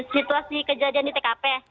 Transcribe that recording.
situasi kejadian di tkp